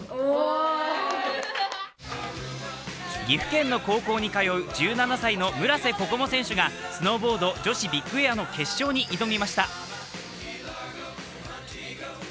岐阜県の高校に通う１７歳の村瀬心椛選手がスノーボード女子ビッグエアの決勝に挑みました。